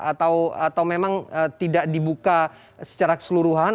atau memang tidak dibuka secara keseluruhan